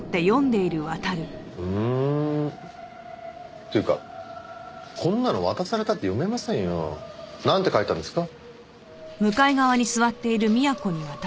っていうかこんなの渡されたって読めませんよ。なんて書いてあるんですか？